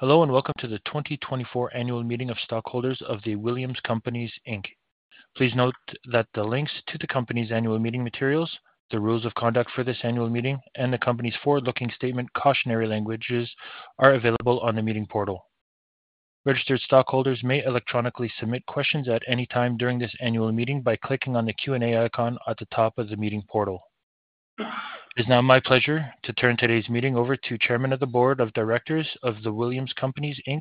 Hello and welcome to the 2024 Annual Meeting of Stockholders of The Williams Companies, Inc. Please note that the links to the company's annual meeting materials, the rules of conduct for this annual meeting, and the company's forward-looking statement cautionary languages are available on the meeting portal. Registered stockholders may electronically submit questions at any time during this annual meeting by clicking on the Q&A icon at the top of the meeting portal. It is now my pleasure to turn today's meeting over to Chairman of the Board of Directors of The Williams Companies, Inc,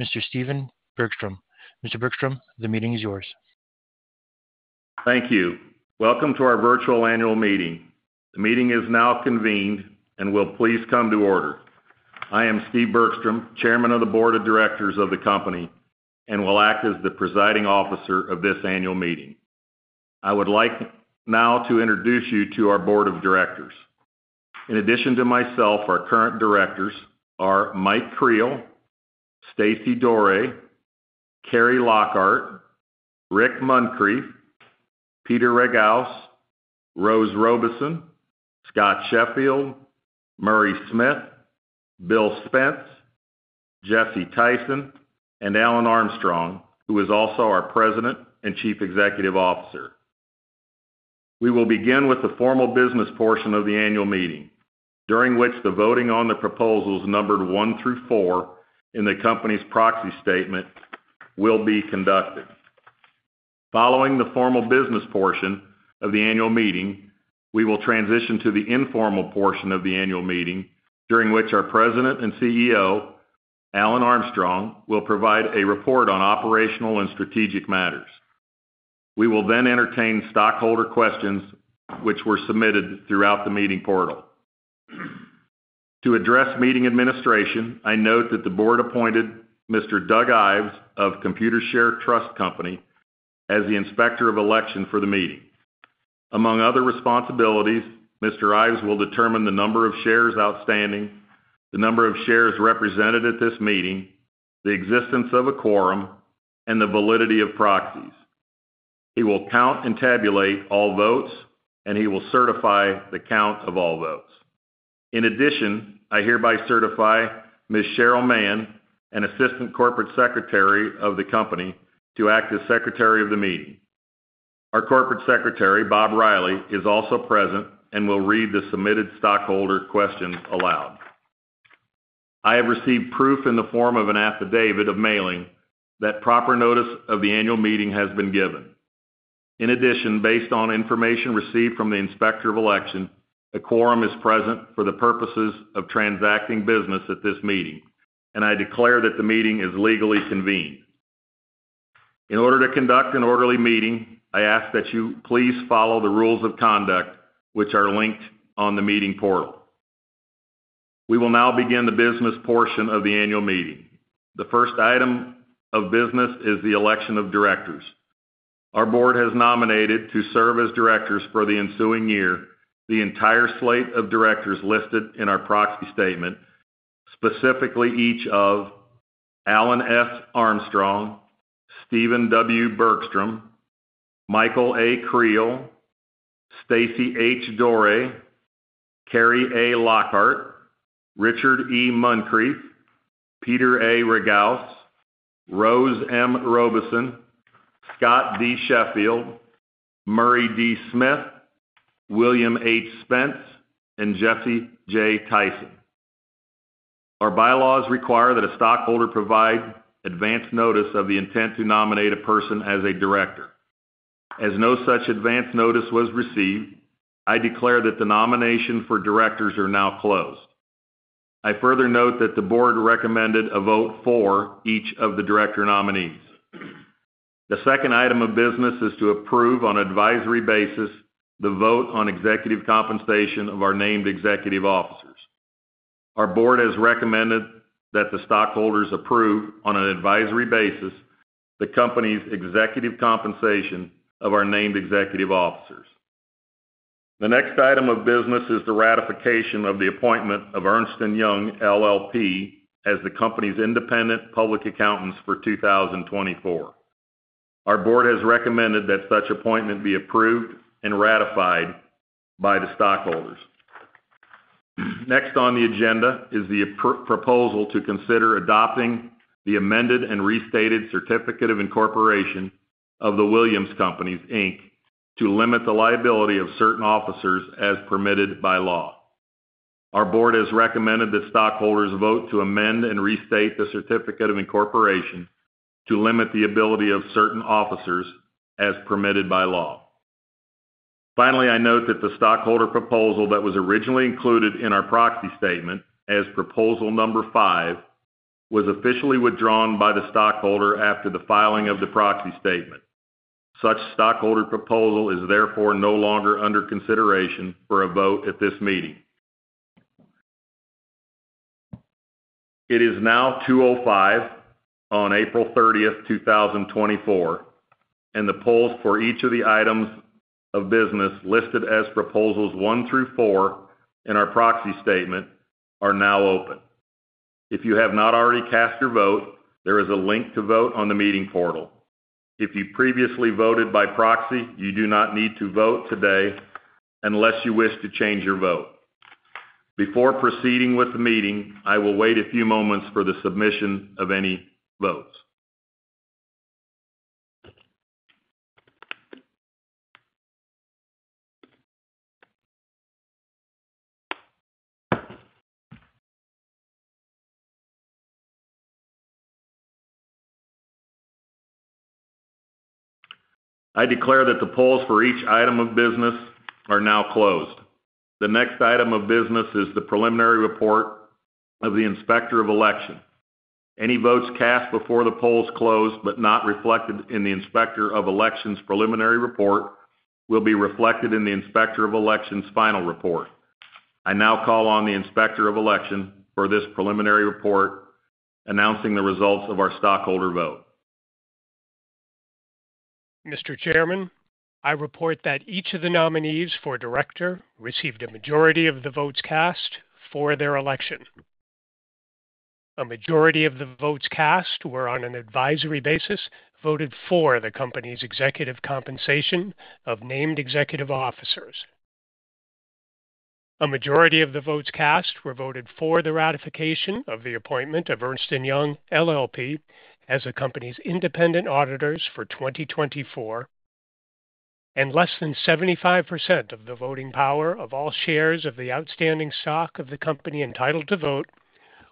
Mr. Stephen Bergstrom. Mr. Bergstrom, the meeting is yours. Thank you. Welcome to our virtual annual meeting. The meeting is now convened, and will please come to order. I am Steve Bergstrom, Chairman of the Board of Directors of the company, and will act as the presiding officer of this annual meeting. I would like now to introduce you to our Board of Directors. In addition to myself, our current directors are Mike Creel, Stacey Doré, Carri Lockhart, Rick Muncrief, Peter Ragauss, Rose Robeson, Scott Sheffield, Murray Smith, Bill Spence, Jesse Tyson, and Alan Armstrong, who is also our President and Chief Executive Officer. We will begin with the formal business portion of the annual meeting, during which the voting on the proposals numbered one through four in the company's proxy statement will be conducted. Following the formal business portion of the annual meeting, we will transition to the informal portion of the annual meeting, during which our President and CEO, Alan Armstrong, will provide a report on operational and strategic matters. We will then entertain stockholder questions which were submitted throughout the meeting portal. To address meeting administration, I note that the board appointed Mr. Doug Ives of Computershare Trust Company as the inspector of election for the meeting. Among other responsibilities, Mr. Ives will determine the number of shares outstanding, the number of shares represented at this meeting, the existence of a quorum, and the validity of proxies. He will count and tabulate all votes, and he will certify the count of all votes. In addition, I hereby certify Ms. Cheryl Mann, an Assistant Corporate Secretary of the company, to act as Secretary of the meeting. Our Corporate Secretary, Bob Riley, is also present and will read the submitted stockholder questions aloud. I have received proof in the form of an affidavit of mailing that proper notice of the annual meeting has been given. In addition, based on information received from the inspector of election, a quorum is present for the purposes of transacting business at this meeting, and I declare that the meeting is legally convened. In order to conduct an orderly meeting, I ask that you please follow the rules of conduct which are linked on the meeting portal. We will now begin the business portion of the annual meeting. The first item of business is the election of directors. Our board has nominated to serve as directors for the ensuing year the entire slate of directors listed in our proxy statement, specifically each of Alan S. Armstrong, Stephen W. Bergstrom, Michael A. Creel, Stacey H. Doré, Carri A. Lockhart, Richard E. Muncrief, Peter A. Ragauss, Rose M. Robeson, Scott D. Sheffield, Murray D. Smith, William H. Spence, and Jesse J. Tyson. Our bylaws require that a stockholder provide advance notice of the intent to nominate a person as a director. As no such advance notice was received, I declare that the nomination for directors are now closed. I further note that the board recommended a vote for each of the director nominees. The second item of business is to approve, on advisory basis, the vote on executive compensation of our named executive officers. Our board has recommended that the stockholders approve, on an advisory basis, the company's executive compensation of our named executive officers. The next item of business is the ratification of the appointment of Ernst & Young LLP as the company's independent public accountants for 2024. Our board has recommended that such appointment be approved and ratified by the stockholders. Next on the agenda is the proposal to consider adopting the amended and restated Certificate of Incorporation of The Williams Companies, Inc, to limit the liability of certain officers as permitted by law. Our board has recommended that stockholders vote to amend and restate the Certificate of Incorporation to limit the liability of certain officers as permitted by law. Finally, I note that the stockholder proposal that was originally included in our proxy statement as Proposal Number 5 was officially withdrawn by the stockholder after the filing of the proxy statement. Such stockholder proposal is therefore no longer under consideration for a vote at this meeting. It is now 2:05 P.M. on April 30, 2024, and the polls for each of the items of business listed as Proposals one through four in our proxy statement are now open. If you have not already cast your vote, there is a link to vote on the meeting portal. If you previously voted by proxy, you do not need to vote today unless you wish to change your vote. Before proceeding with the meeting, I will wait a few moments for the submission of any votes. I declare that the polls for each item of business are now closed. The next item of business is the preliminary report of the inspector of election. Any votes cast before the polls close but not reflected in the inspector of election's preliminary report will be reflected in the inspector of election's final report. I now call on the inspector of election for this preliminary report, announcing the results of our stockholder vote. Mr. Chairman, I report that each of the nominees for director received a majority of the votes cast for their election. A majority of the votes cast were, on an advisory basis, voted for the company's executive compensation of named executive officers. A majority of the votes cast were voted for the ratification of the appointment of Ernst & Young LLP as the company's independent auditors for 2024, and less than 75% of the voting power of all shares of the outstanding stock of the company entitled to vote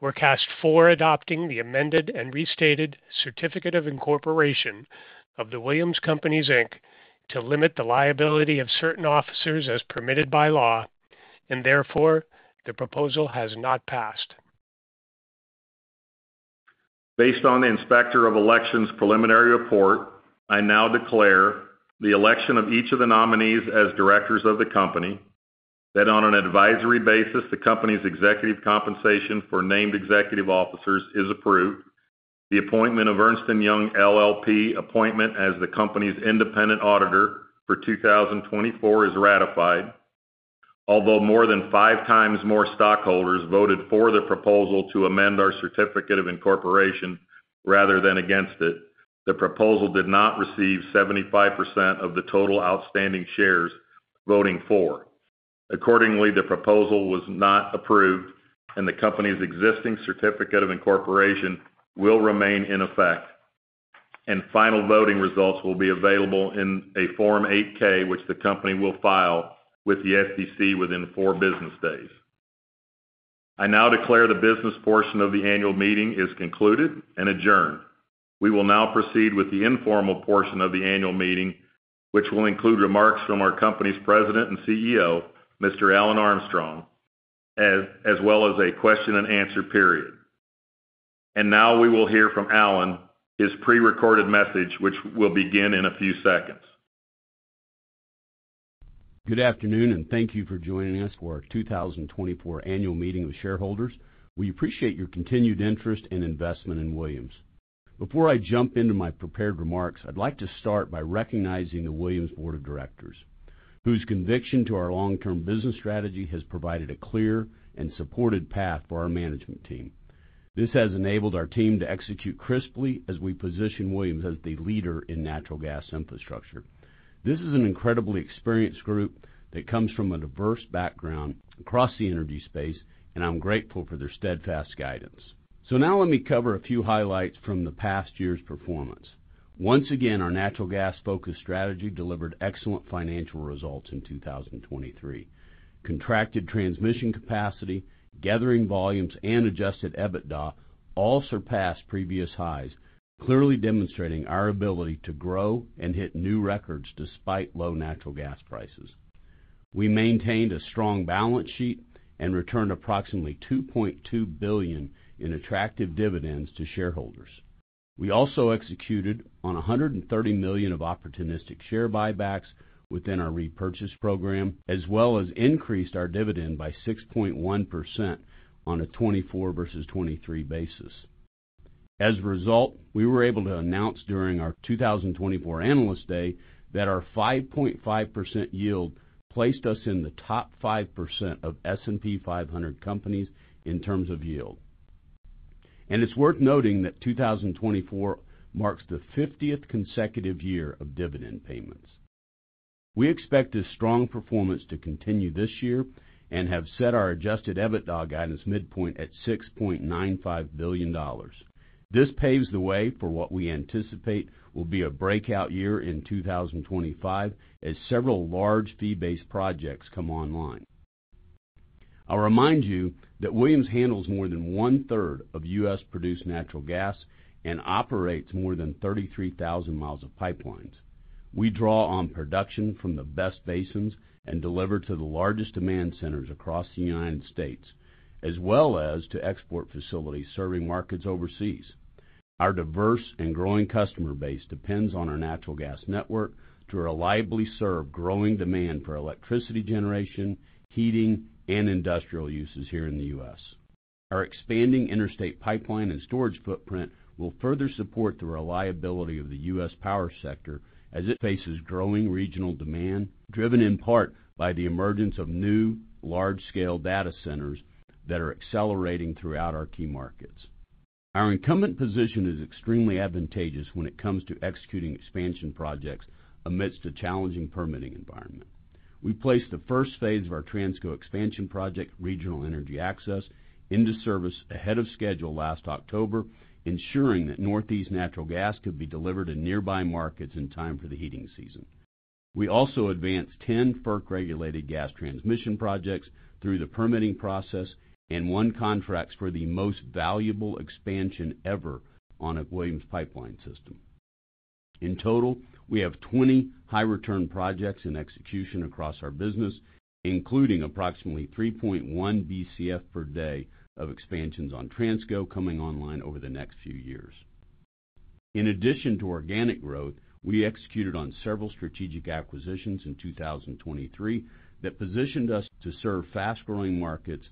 were cast for adopting the amended and restated Certificate of Incorporation of the Williams Companies, Inc, to limit the liability of certain officers as permitted by law, and therefore the proposal has not passed. Based on the inspector of election's preliminary report, I now declare the election of each of the nominees as directors of the company, that on an advisory basis the company's executive compensation for named executive officers is approved, the appointment of Ernst & Young LLP, appointment as the company's independent auditor for 2024 is ratified. Although more than five times more stockholders voted for the proposal to amend our Certificate of Incorporation rather than against it, the proposal did not receive 75% of the total outstanding shares voting for. Accordingly, the proposal was not approved, and the company's existing Certificate of Incorporation will remain in effect, and final voting results will be available in a Form 8-K which the company will file with the SEC within four business days. I now declare the business portion of the annual meeting is concluded and adjourned. We will now proceed with the informal portion of the annual meeting, which will include remarks from our company's President and CEO, Mr. Alan Armstrong, as well as a question-and-answer period. Now we will hear from Alan, his prerecorded message which will begin in a few seconds. Good afternoon, and thank you for joining us for our 2024 annual meeting of shareholders. We appreciate your continued interest and investment in Williams. Before I jump into my prepared remarks, I'd like to start by recognizing the Williams Board of Directors, whose conviction to our long-term business strategy has provided a clear and supported path for our management team. This has enabled our team to execute crisply as we position Williams as the leader in natural gas infrastructure. This is an incredibly experienced group that comes from a diverse background across the energy space, and I'm grateful for their steadfast guidance. So now let me cover a few highlights from the past year's performance. Once again, our natural gas-focused strategy delivered excellent financial results in 2023. Contracted transmission capacity, gathering volumes, and Adjusted EBITDA all surpassed previous highs, clearly demonstrating our ability to grow and hit new records despite low natural gas prices. We maintained a strong balance sheet and returned approximately $2.2 billion in attractive dividends to shareholders. We also executed on $130 million of opportunistic share buybacks within our repurchase program, as well as increased our dividend by 6.1% on a 2024 versus 2023 basis. As a result, we were able to announce during our 2024 Analyst Day that our 5.5% yield placed us in the top 5% of S&P 500 companies in terms of yield. And it's worth noting that 2024 marks the 50th consecutive year of dividend payments. We expect this strong performance to continue this year and have set our Adjusted EBITDA guidance midpoint at $6.95 billion. This paves the way for what we anticipate will be a breakout year in 2025 as several large fee-based projects come online. I'll remind you that Williams handles more than one-third of U.S.-produced natural gas and operates more than 33,000 miles of pipelines. We draw on production from the best basins and deliver to the largest demand centers across the United States, as well as to export facilities serving markets overseas. Our diverse and growing customer base depends on our natural gas network to reliably serve growing demand for electricity generation, heating, and industrial uses here in the U.S. Our expanding interstate pipeline and storage footprint will further support the reliability of the U.S. power sector as it faces growing regional demand, driven in part by the emergence of new, large-scale data centers that are accelerating throughout our key markets. Our incumbent position is extremely advantageous when it comes to executing expansion projects amidst a challenging permitting environment. We placed the first phase of our Transco expansion project, Regional Energy Access, into service ahead of schedule last October, ensuring that Northeast natural gas could be delivered to nearby markets in time for the heating season. We also advanced 10 FERC-regulated gas transmission projects through the permitting process and won contracts for the most valuable expansion ever on a Williams pipeline system. In total, we have 20 high-return projects in execution across our business, including approximately 3.1 BCF per day of expansions on Transco coming online over the next few years. In addition to organic growth, we executed on several strategic acquisitions in 2023 that positioned us to serve fast-growing markets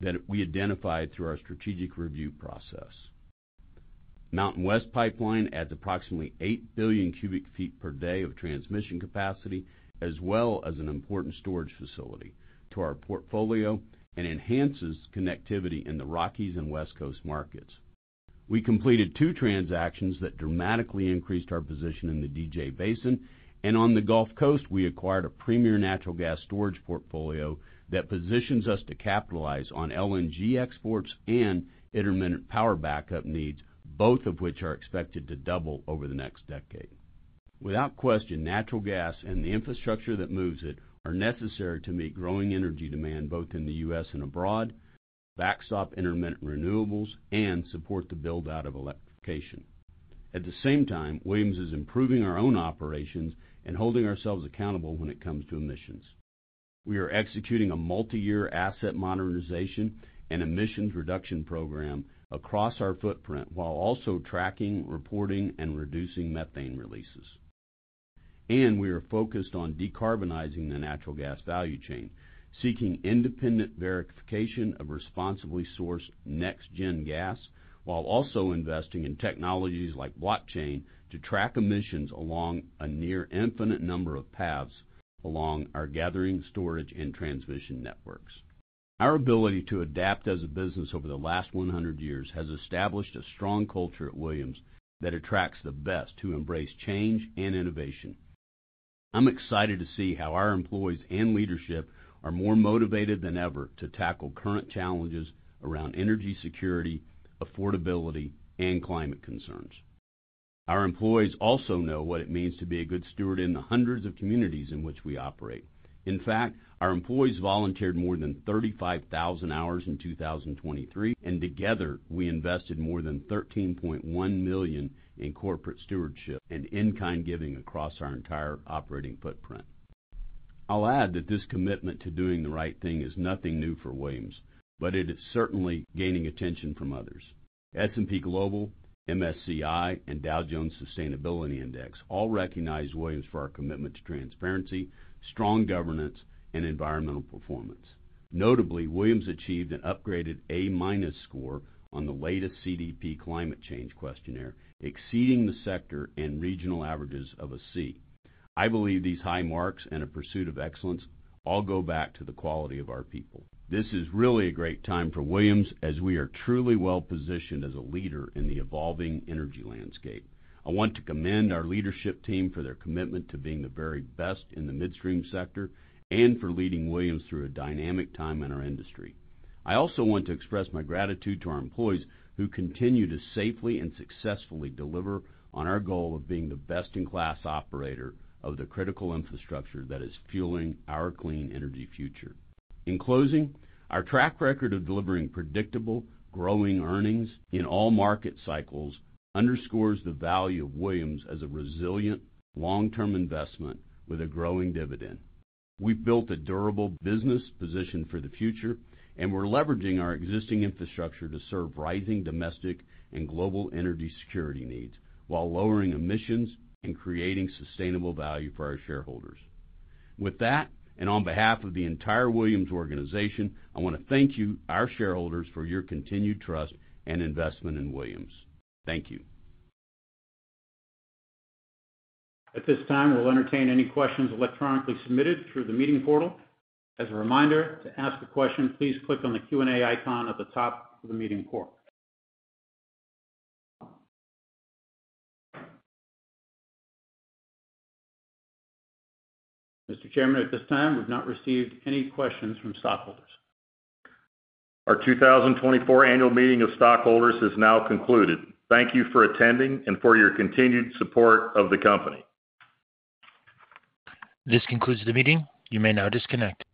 that we identified through our strategic review process. MountainWest Pipeline adds approximately 8 billion cubic feet per day of transmission capacity, as well as an important storage facility, to our portfolio and enhances connectivity in the Rockies and West Coast markets. We completed two transactions that dramatically increased our position in the DJ Basin, and on the Gulf Coast, we acquired a premier natural gas storage portfolio that positions us to capitalize on LNG exports and intermittent power backup needs, both of which are expected to double over the next decade. Without question, natural gas and the infrastructure that moves it are necessary to meet growing energy demand both in the U.S. and abroad, backstop intermittent renewables, and support the buildout of electrification. At the same time, Williams is improving our own operations and holding ourselves accountable when it comes to emissions. We are executing a multi-year asset modernization and emissions reduction program across our footprint while also tracking, reporting, and reducing methane releases. We are focused on decarbonizing the natural gas value chain, seeking independent verification of responsibly sourced NextGen Gas while also investing in technologies like blockchain to track emissions along a near-infinite number of paths along our gathering, storage, and transmission networks. Our ability to adapt as a business over the last 100 years has established a strong culture at Williams that attracts the best who embrace change and innovation. I'm excited to see how our employees and leadership are more motivated than ever to tackle current challenges around energy security, affordability, and climate concerns. Our employees also know what it means to be a good steward in the hundreds of communities in which we operate. In fact, our employees volunteered more than 35,000 hours in 2023, and together we invested more than $13.1 million in corporate stewardship and in-kind giving across our entire operating footprint. I'll add that this commitment to doing the right thing is nothing new for Williams, but it is certainly gaining attention from others. S&P Global, MSCI, and Dow Jones Sustainability Index all recognize Williams for our commitment to transparency, strong governance, and environmental performance. Notably, Williams achieved an upgraded A-minus score on the latest CDP climate change questionnaire, exceeding the sector and regional averages of a C. I believe these high marks and a pursuit of excellence all go back to the quality of our people. This is really a great time for Williams as we are truly well-positioned as a leader in the evolving energy landscape. I want to commend our leadership team for their commitment to being the very best in the midstream sector and for leading Williams through a dynamic time in our industry. I also want to express my gratitude to our employees who continue to safely and successfully deliver on our goal of being the best-in-class operator of the critical infrastructure that is fueling our clean energy future. In closing, our track record of delivering predictable, growing earnings in all market cycles underscores the value of Williams as a resilient, long-term investment with a growing dividend. We've built a durable business position for the future, and we're leveraging our existing infrastructure to serve rising domestic and global energy security needs while lowering emissions and creating sustainable value for our shareholders. With that, and on behalf of the entire Williams organization, I want to thank you, our shareholders, for your continued trust and investment in Williams. Thank you. At this time, we'll entertain any questions electronically submitted through the meeting portal. As a reminder, to ask a question, please click on the Q&A icon at the top of the meeting portal. Mr. Chairman, at this time, we've not received any questions from stockholders. Our 2024 annual meeting of stockholders is now concluded. Thank you for attending and for your continued support of the company. This concludes the meeting. You may now disconnect.